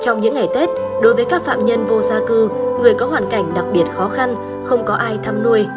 trong những ngày tết đối với các phạm nhân vô gia cư người có hoàn cảnh đặc biệt khó khăn không có ai thăm nuôi